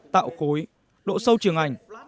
tạo cối độ sâu trường ảnh